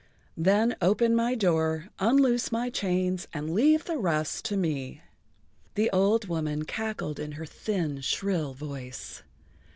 Then open my door, unloose my chains and leave the rest to me." The old woman[Pg 60] cackled in her thin, shrill voice.